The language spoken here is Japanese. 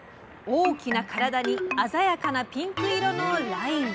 大きな体に鮮やかなピンク色のライン。